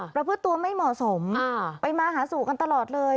ประพฤติตัวไม่เหมาะสมไปมาหาสู่กันตลอดเลย